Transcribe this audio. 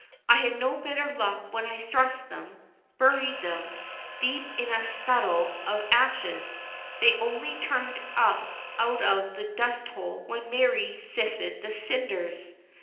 I had no better luck when I thrust them buried them deep in a scuttle of ashes; they only turned up out of the dusthole when Mary sifted the cinders.